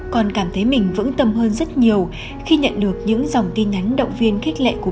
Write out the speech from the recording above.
con cảm thấy mình vững tâm hơn rất nhiều khi nhận được những dòng tin nhắn động viên khích lệ của